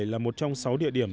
là một trong sáu địa điểm